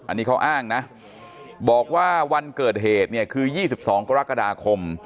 อันนี้เขาอ้างนะบอกว่าวันเกิดเหตุเนี่ยคือ๒๒กรกฎาคม